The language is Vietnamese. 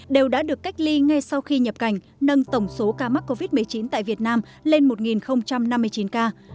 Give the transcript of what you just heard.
đều đã được cách ly ngay sau khi nhập cảnh nâng tổng số ca mắc covid một mươi chín tại việt nam lên một năm mươi chín ca